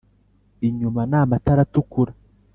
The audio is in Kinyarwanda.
inyuma n’amatara atukura